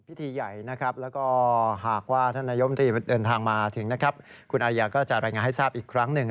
พิธีใหญ่นะครับแล้วก็หากว่าท่านนายมตรีเดินทางมาถึงนะครับคุณอาริยาก็จะรายงานให้ทราบอีกครั้งหนึ่ง